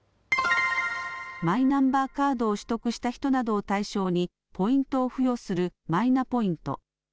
マイナンバーカードを取得した人などを対象にポイントを付与するマイナポイント。